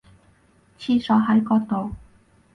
廁所喺嗰度